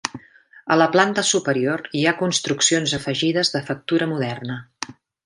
A la planta superior hi ha construccions afegides de factura moderna.